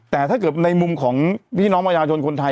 แต่ถ้าเกิดในมุมของพี่น้องประชาชนคนไทย